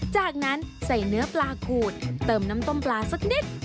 จากนั้นใส่เนื้อปลาขูดเติมน้ำต้มปลาสักนิด